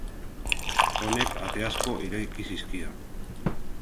Honek ate asko ireki zizkion.